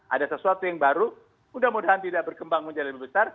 ada sesuatu yang baru mudah mudahan tidak berkembang menjadi lebih besar